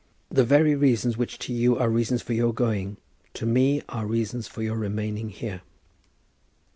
The very reasons which to you are reasons for your going, to me are reasons for your remaining here."